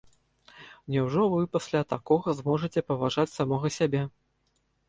Няўжо вы пасля такога зможаце паважаць самога сябе?